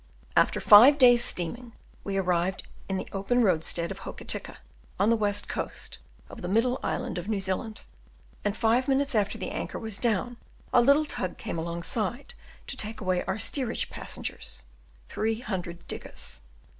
After five days' steaming we arrived in the open roadstead of Hokitika, on the west coast of the middle island of New Zealand, and five minutes after the anchor was down a little tug came alongside to take away our steerage passengers three hundred diggers.